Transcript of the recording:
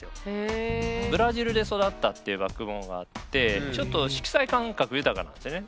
ブラジルで育ったっていうバックボーンがあってちょっと色彩感覚豊かなんですよね。